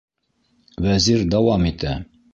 Вәзир дауам итә: